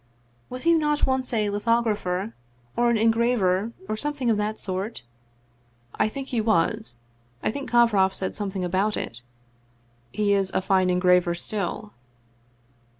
" Was he not once a lithographer or an en graver, or something of the sort ?"" I think he was. I think Kovroff said something about it. He is a fine engraver still."